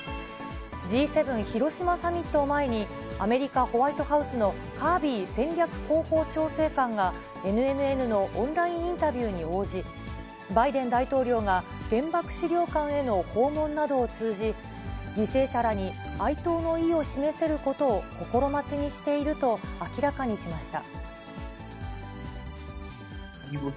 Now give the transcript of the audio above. Ｇ７広島サミットを前に、アメリカ・ホワイトハウスのカービー戦略広報調整官がＮＮＮのオンラインインタビューに応じ、バイデン大統領が原爆資料館への訪問などを通じ、犠牲者らに哀悼の意を示せることを心待ちにしていると明らかにしました。